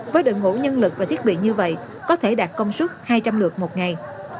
với đội ngũ nhân lực và thiết bị như vậy có thể đạt công suất hai trăm linh lượt một ngày